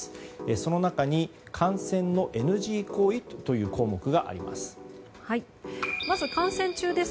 その中に観戦のＮＧ行為という項目があります。